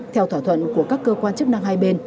theo thỏa thuận của các cơ quan chức năng hai bên